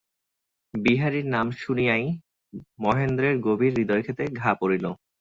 বিহারীর নাম শুনিয়াই মহেন্দ্রের গভীর হৃদয়ক্ষতে ঘা পড়িল।